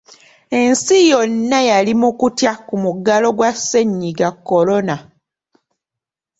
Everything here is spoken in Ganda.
Ensi yonna yali mu kutya ku muggalo gwa Ssennyiga Corona